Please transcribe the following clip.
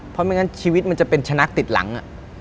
เป็นชนักติดหลัง